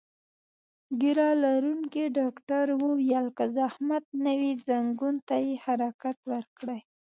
ږیره لرونکي ډاکټر وویل: که زحمت نه وي، ځنګون ته یې حرکت ورکړئ.